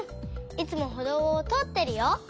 いつもほどうをとおってるよ。